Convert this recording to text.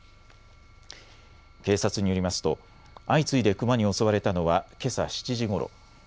警察によりますと相次いでクマに襲われたのはけさ７時ごろ。